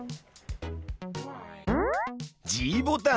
ｇボタン。